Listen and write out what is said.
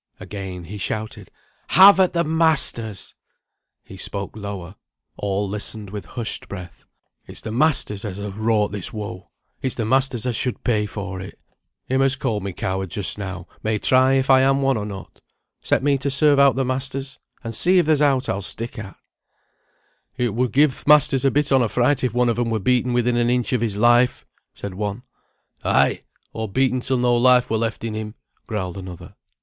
Again he shouted, "Have at the masters!" He spoke lower; all listened with hushed breath. "It's the masters as has wrought this woe; it's the masters as should pay for it. Him as called me coward just now, may try if I am one or not. Set me to serve out the masters, and see if there's ought I'll stick at." "It would give th' masters a bit on a fright if one on them were beaten within an inch of his life," said one. "Ay! or beaten till no life were left in him," growled another.